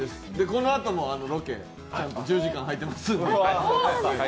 このあともロケ、ちゃんと１０時間入ってます。